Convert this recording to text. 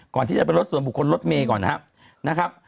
ก่อนที่จะเป็นรถส่วนบุคคลรถเมย์ก่อนนะครับ